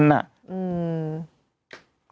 ทุกวัน